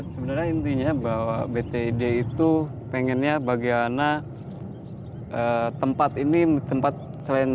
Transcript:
sebenarnya intinya bahwa btid itu pengennya bagaimana tempat ini tempat selain